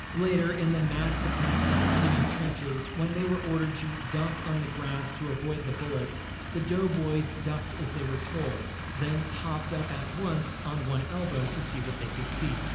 Later, in the mass attacks on "enemy trenches," when they were ordered to duck on the grass to avoid the bullets, the doughboys ducked as they were told, then popped up at once on one elbow to see what they could see.